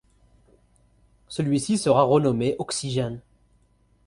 Celui-ci sera renommé Oxygène.